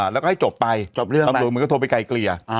แล้วก็ให้จบไปตำรวจมือก็โทรไปไก่เกลี่ย